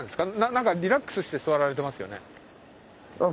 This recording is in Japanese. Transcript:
何かリラックスして座られてますよね？